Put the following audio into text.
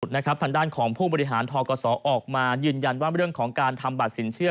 ทางด้านของผู้บริหารทกศออกมายืนยันว่าเรื่องของการทำบัตรสินเชื่อ